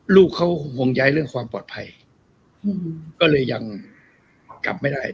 ลูกเขาห่วงใยเรื่องความปลอดภัยก็เลยยังกลับไม่ได้